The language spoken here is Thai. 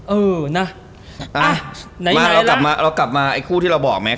เออนะอ่าไหนละเรากลับมาอีกคู่ที่เราบอกไหม